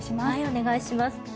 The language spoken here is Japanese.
お願いします。